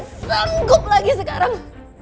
aku gak sanggup lagi sekarang